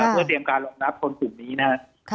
เพื่อเตรียมการรองรับคนกลุ่มนี้นะครับ